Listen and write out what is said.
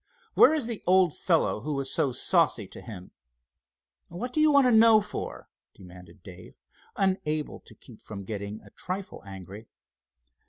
"Where is the old fellow who was so saucy to him?" "What do you want to know for?" demanded Dave, unable to keep from getting a trifle angry.